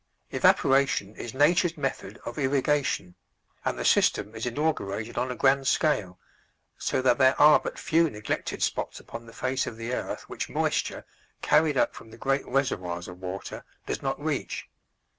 Evaporation is nature's method of irrigation, and the system is inaugurated on a grand scale, so that there are but few neglected spots upon the face of the earth which moisture, carried up from the great reservoirs of water, does not reach.